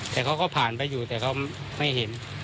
แต่เขาก็ผ่านไปอยู่แต่เขาไม่เห็น